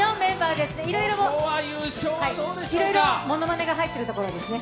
いろいろ、ものまねが入ってるところですね。